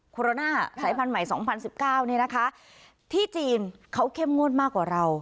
สายพันธุ์ใหม่สองพันสิบเก้านี้นะคะที่จีนเขาเข้มงวดมากกว่าเรา